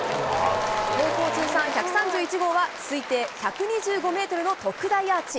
高校通算１３１号は、推定１２５メートルの特大アーチ。